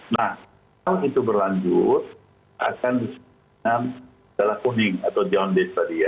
nah kalau itu berlanjut akan disimpan dengan celah kuning atau jaundice tadi ya